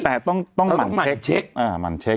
แต่ต้องหมั่นเช็ก